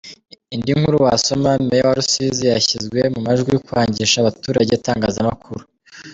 Indi nkuru wasoma: Meya wa Rusizi yashyizwe mu majwi kwangisha abaturage itangazamakuru.